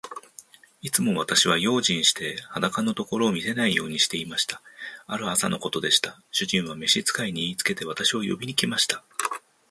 いつも私は用心して、裸のところを見せないようにしていました。ある朝のことでした。主人は召使に言いつけて、私を呼びに来ました。